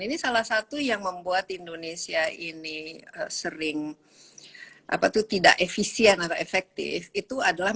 ini salah satu yang membuat indonesia ini sering apa tuh tidak efisien atau efektif itu adalah